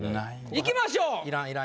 いきましょう。